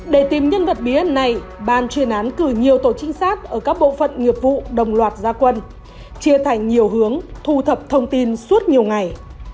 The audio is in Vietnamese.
để tìm nhân vật bí ẩn này ban chuyên án cử nhiều tổ trinh sát ở các bộ phận nghiệp vụ đồng loạt gia quân chia thành nhiều hướng thu thập thông tin suốt nhiều ngày